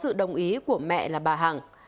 miên có sự đồng ý của mẹ là bà hằng